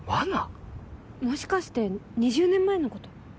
もしかして２０年前のこと？